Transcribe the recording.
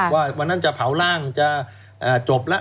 วันนั้นจะเผาร่างจะจบแล้ว